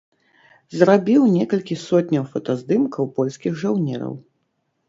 Зрабіў некалькі сотняў фотаздымкаў польскіх жаўнераў.